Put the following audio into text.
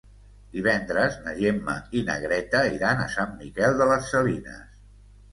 Divendres na Gemma i na Greta iran a Sant Miquel de les Salines.